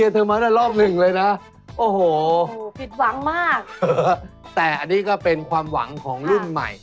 แต่อันนี้ก็เป็นความหวังของรุ่นใหม่